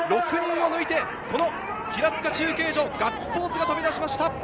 ６人を抜いて平塚中継所をガッツポーズが飛び出しました。